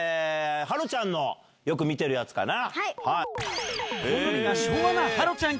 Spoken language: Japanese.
芭路ちゃんのよく見てるやつかな。